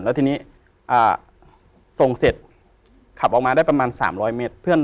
แล้วทีนี้ส่งเสร็จขับออกมาได้ประมาณ๓๐๐เมตร